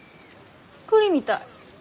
栗みたい。